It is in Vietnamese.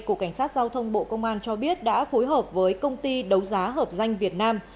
cục cảnh sát giao thông bộ công an cho biết đã phối hợp với công ty đấu giá hợp danh việt nam